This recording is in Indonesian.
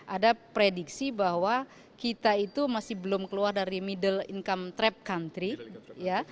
ada prediksi bahwa kita itu masih belum keluar dari middle income trap country ya